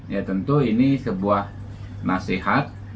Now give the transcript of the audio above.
ya tentu ini sebuah nasihat